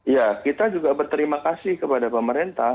ya kita juga berterima kasih kepada pemerintah